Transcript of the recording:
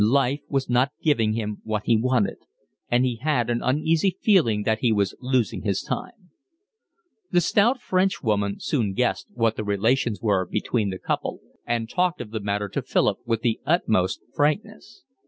Life was not giving him what he wanted, and he had an uneasy feeling that he was losing his time. The stout Frenchwoman soon guessed what the relations were between the couple, and talked of the matter to Philip with the utmost frankness.